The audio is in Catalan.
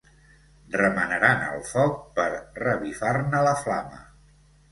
Remenaran el foc per revifar-ne la flama.